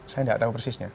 saya tidak tahu persisnya